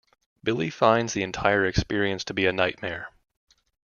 Billy finds the entire experience to be a nightmare.